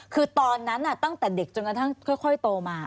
คือตอนนั้นตั้งแต่เด็กจนกระทั่งค่อยโตมา